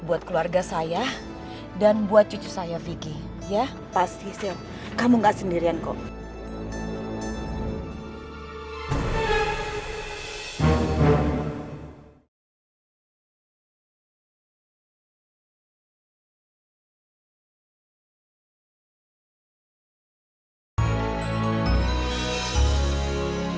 buat keluarga saya dan buat cucu saya vicky ya pasti kamu nggak sendirian kok